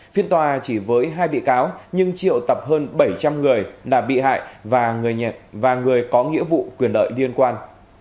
phiên tòa chỉ với hai bị cáo nhưng triệu tập hơn bảy trăm linh người đã bị hại và người có nghĩa vụ quyền đợi liên quan